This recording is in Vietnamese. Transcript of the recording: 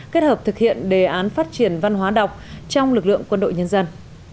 kết hợp thực hiện đề án phát triển văn hóa đọc trong lực lượng quân đội nhân dân